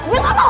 gue gak tau